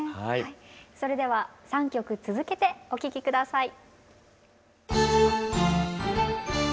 それでは３曲続けてお聴き下さい。